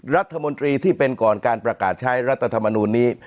รัฐมนตรีที่เป็นก่อนการประกาศใช้รัฐธรรมนูลนี้